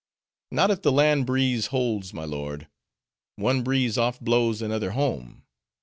"Not if the land breeze holds, my lord;—one breeze oft blows another home.